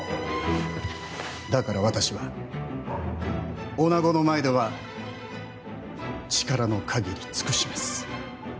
だから私は女子の前では力の限り尽くします。